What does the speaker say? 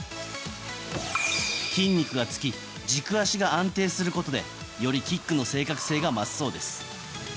筋肉がつき軸足が安定することでよりキックの正確性が増すそうです。